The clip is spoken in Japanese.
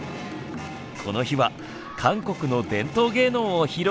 この日は韓国の伝統芸能を披露しました。